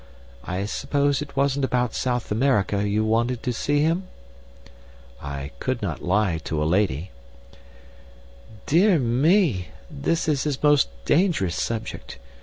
I suppose it wasn't about South America you wanted to see him?" I could not lie to a lady. "Dear me! That is his most dangerous subject.